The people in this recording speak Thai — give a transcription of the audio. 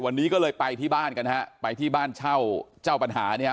วันนี้ก็เลยไปที่บ้านกันฮะไปที่บ้านเช่าเจ้าปัญหาเนี่ยฮะ